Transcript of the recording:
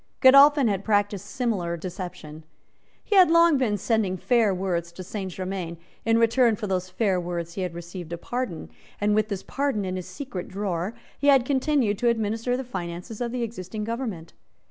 Godolphin had practised similar deception. He had long been sending fair words to Saint Germains; in return for those fair words he had received a pardon; and, with this pardon in his secret drawer, he had continued to administer the finances of the existing government.